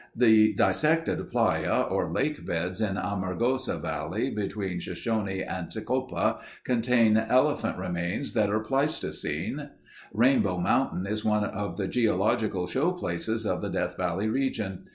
"The dissected playa or lake beds in Amargosa Valley between Shoshone and Tecopa contain elephant remains that are Pleistocene...." "Rainbow Mountain is one of the geological show places of the Death Valley region....